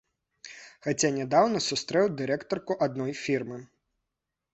Хаця нядаўна сустрэў дырэктарку адной фірмы.